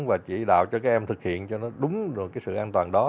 và chỉ đạo cho các em thực hiện cho nó đúng rồi cái sự an toàn đó